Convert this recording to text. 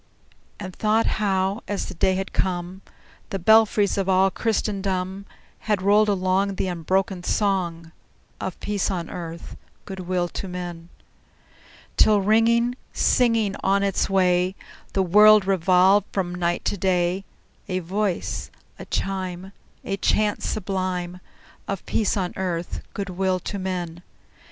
And thought how, as the day had come, The belfries of all Christendom Had rolled along The unbroken song Of peace on earth, good will to men! Till, ringing, singing on its way, The world revolved from night to day, A voice, a chime, A chant sublime Of peace on earth, good will to men!